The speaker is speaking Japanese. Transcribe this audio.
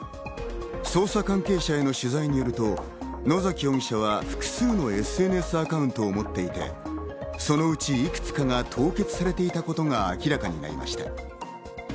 捜査関係者への取材によると、野崎容疑者は複数のＳＮＳアカウントを持っていて、そのうち、いくつかが凍結されていたことが明らかになりました。